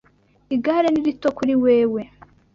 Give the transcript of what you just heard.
Igare ni rito kuri wewe.